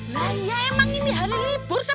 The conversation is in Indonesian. raya emang ini hari libur